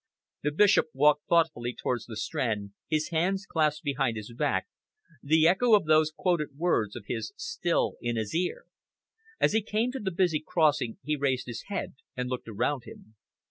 The Bishop walked thoughtfully towards the Strand, his hands clasped behind his back, the echo of those quoted words of his still in his ear. As he came to the busy crossing, he raised his head and looked around him.